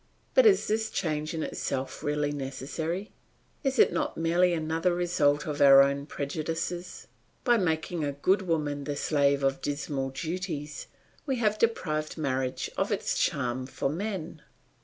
But is this change in itself really necessary? Is it not merely another result of our own prejudices? By making good women the slaves of dismal duties, we have deprived marriage of its charm for men.